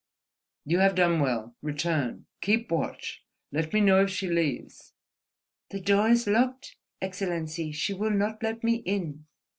"You have done well. Return, keep watch, let me know if she leaves—" "The door is locked, Excellency: she will not let me in."